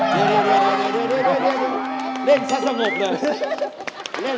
เดี๋ยวเล่นชัดสมบบเลย